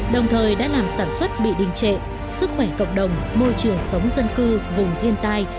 đồng thời đã làm sản xuất bị đình trệ sức khỏe cộng đồng môi trường sống dân cư vùng thiên tai